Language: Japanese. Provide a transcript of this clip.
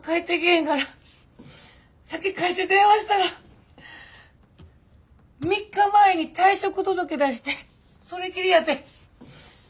へんからさっき会社電話したら３日前に退職届出してそれきりやて。